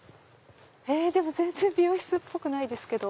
でも全然美容室っぽくないけど。